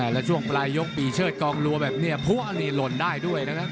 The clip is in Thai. แล้วช่วงปลายยกปีเชิดกองรัวแบบนี้พัวนี่หล่นได้ด้วยนะครับ